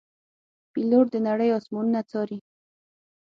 پیلوټ د نړۍ آسمانونه څاري.